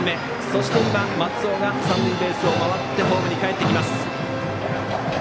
そして今、松尾が今三塁ベース回ってホームにかえってきました。